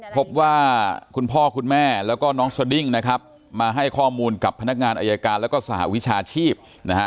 พบว่าคุณพ่อคุณแม่แล้วก็น้องสดิ้งนะครับมาให้ข้อมูลกับพนักงานอายการแล้วก็สหวิชาชีพนะฮะ